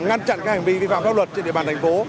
ngăn chặn các hành vi vi phạm pháp luật trên địa bàn thành phố